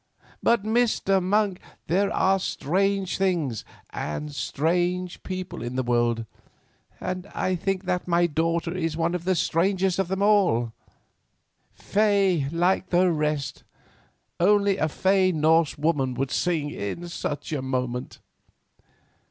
But, Mr. Monk, there are strange things and strange people in this world, and I think that my daughter Stella is one of the strangest of them. Fey like the rest—only a fey Norse woman would sing in such a moment."